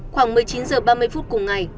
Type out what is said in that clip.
khoảng một mươi chín h ba mươi phút cùng ngày